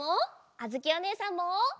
あづきおねえさんも！